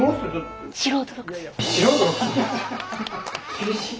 厳しい。